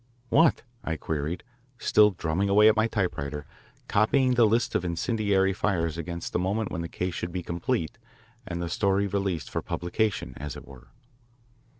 "What?" I queried, still drumming away at my typewriter, copying the list of incendiary fires against the moment when the case should be complete and the story released for publication, as it were.